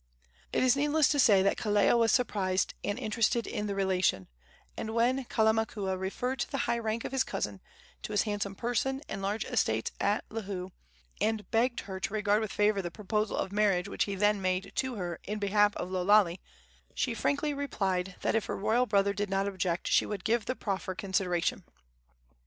It is needless to say that Kalea was surprised and interested in the relation; and when Kalamakua referred to the high rank of his cousin, to his handsome person and large estates at Lihue, and begged her to regard with favor the proposal of marriage which he then made to her in behalf of Lo Lale, she frankly replied that, if her royal brother did not object, she would give the proffer consideration.